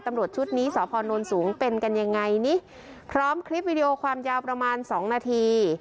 ตำรวจชุดนี้สพนสูงเป็นกันยังไงนี่พร้อมคลิปวิดีโอความยาวประมาณสองนาที